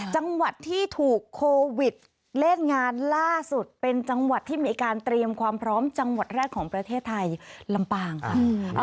จังหวัดที่ถูกโควิดเล่นงานล่าสุดเป็นจังหวัดที่มีการเตรียมความพร้อมจังหวัดแรกของประเทศไทยลำปางค่ะ